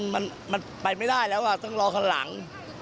มันไปไม่ได้แล้วต้องรอคันหลัง